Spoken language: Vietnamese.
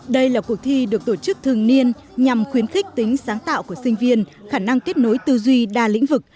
đây là cuộc thi được tổ chức thường niên nhằm khuyến khích tính sáng tạo của sinh viên khả năng kết nối tư duy đa lĩnh vực